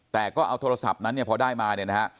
แต่ก็เอาโทรศัพท์นั้นเนี่ยพอได้มาเนี่ยนะฮะ